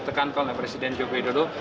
ditekankan oleh presiden joko widodo